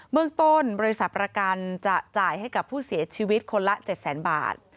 เมืองต้นบริษัทประกันจะจ่ายให้กับผู้เสียชีวิตคนละ๗แสนบาท